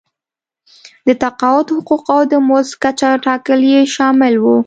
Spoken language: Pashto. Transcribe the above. د تقاعد حقوق او د مزد کچه ټاکل یې شامل وو.